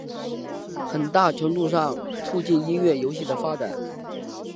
很大程度上促成音乐游戏的发展。